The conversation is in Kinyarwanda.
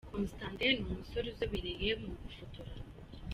Constantin ni umusore uzobereye mu gufotora.